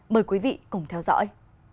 mời quý vị cùng theo dõi